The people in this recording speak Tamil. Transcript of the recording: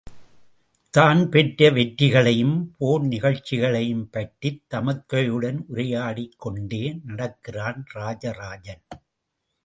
தான் பெற்ற வெற்றிகளையும் போர் நிகழ்ச்சிகளையும் பற்றித் தமக்கையுடன் உரையாடிக் கொண்டே நடக்கிறான் இராஜராஜன்.